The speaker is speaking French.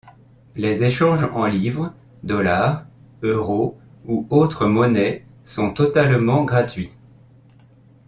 Les échanges en livres, dollars, euros ou autres monnaies sont totalement gratuits.